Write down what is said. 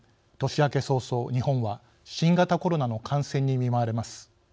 年明け早々、日本は新型コロナの感染に見舞われます。